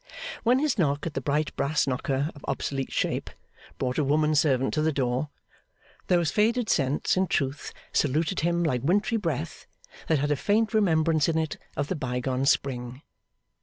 When his knock at the bright brass knocker of obsolete shape brought a woman servant to the door, those faded scents in truth saluted him like wintry breath that had a faint remembrance in it of the bygone spring.